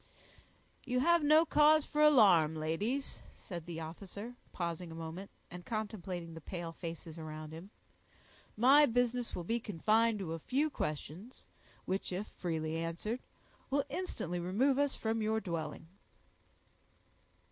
"You have no cause for alarm, ladies," said the officer, pausing a moment, and contemplating the pale faces around him. "My business will be confined to a few questions, which, if freely answered, will instantly remove us from your dwelling."